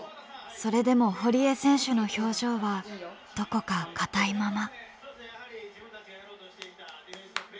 それでも堀江選手の表情はどこか硬いまま。